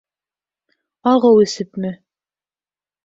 Ағыу әсепме?